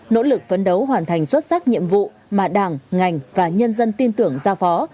nỗ lực phấn đấu hoàn thành xuất sắc nhiệm vụ mà đảng ngành và nhân dân tin tưởng giao phó